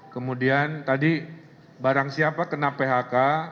kemudian tadi barang siapa kena phk